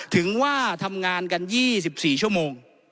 ถึงว่าทำงานกัน๒๔ชั่วโมง